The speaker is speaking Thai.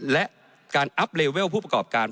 และการอัพเลเวลผู้ประกอบการ